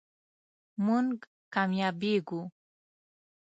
مونږ کامیابیږو